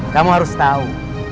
kamu harus tahu